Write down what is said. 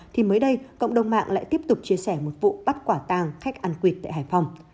thì mới đây cộng đồng mạng lại tiếp tục chia sẻ một vụ bắt quả tàng khách ăn quệt tại hải phòng